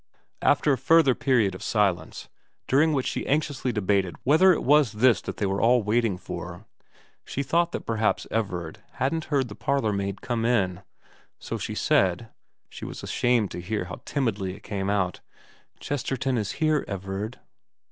... After a further period of silence, during which she anxiously debated whether it was this that they were all waiting for, she thought that perhaps Everard hadn't heard the parlourmaid come in ; so she said she was ashamed to hear how timidly it came out ' Chesterton is here, Everard.'